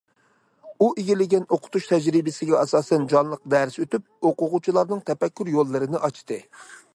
ئۇ ئىگىلىگەن ئوقۇتۇش تەجرىبىسىگە ئاساسەن جانلىق دەرس ئۆتۈپ، ئوقۇغۇچىلارنىڭ تەپەككۇر يوللىرىنى ئاچتى.